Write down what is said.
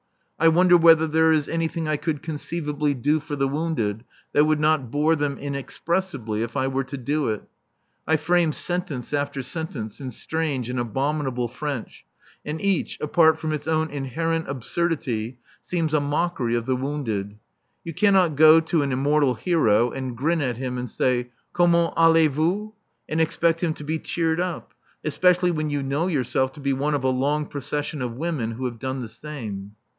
I wonder whether there is anything I could conceivably do for the wounded that would not bore them inexpressibly if I were to do it. I frame sentence after sentence in strange and abominable French, and each, apart from its own inherent absurdity, seems a mockery of the wounded. You cannot go to an immortal hero and grin at him and say Comment allez vous? and expect him to be cheered up, especially when you know yourself to be one of a long procession of women who have done the same.